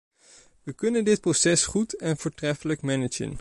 We kunnen dit proces goed en voortreffelijk managen.